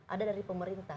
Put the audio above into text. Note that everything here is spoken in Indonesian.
ada dari pemerintah